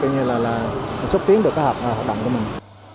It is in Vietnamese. như là xuất tuyến được các hoạt động của mình